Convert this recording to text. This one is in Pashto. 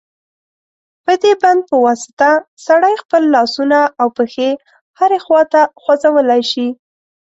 په دې بند په واسطه سړی خپل لاسونه او پښې هرې خواته خوځولای شي.